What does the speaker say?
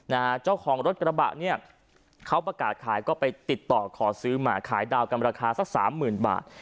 นะฮะเจ้าของรถกระบะเนี่ยเขาประกาศขายก็ไปติดต่อขอซื้อมาขายดาวกันราคาสักสามหมื่นบาท